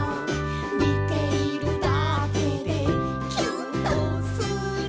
「みているだけでキュンとする」